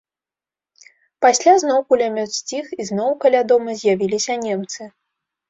Пасля зноў кулямёт сціх, і зноў каля дома з'явіліся немцы.